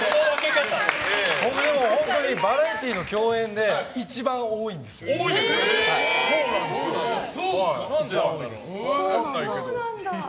本当にバラエティーの共演で一番多いんですよ、伊集院さん。